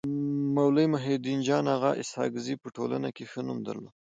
مولوي محي الدين جان اغا اسحق زي په ټولنه کي ښه نوم درلود.